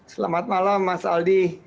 selamat malam mas aldi